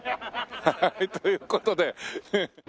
はいという事で。